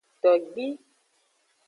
Togbi.